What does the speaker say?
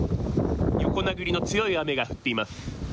横殴りの強い雨が降っています。